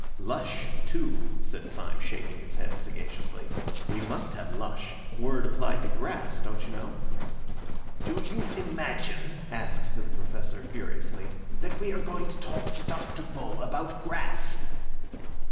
"'Lush' too," said Syme, shaking his head sagaciously, "we must have 'lush'—word applied to grass, don't you know?" "Do you imagine," asked the Professor furiously, "that we are going to talk to Dr. Bull about grass?"